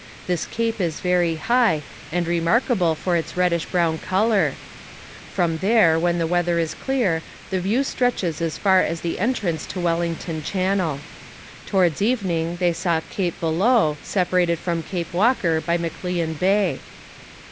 This cape is very high, and remarkable for its reddish brown colour; from there, when the weather is clear, the view stretches as far as the entrance to Wellington Channel. Towards evening they saw Cape Bellot, separated from Cape Walker by McLeon Bay.